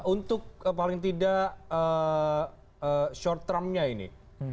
untuk paling tidak short termnya ini